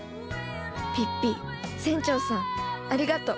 ピッピ船長さんありがとう。